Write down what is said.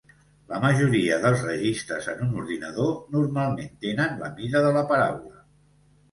La majoria dels registres en un ordinador normalment tenen la mida de la paraula.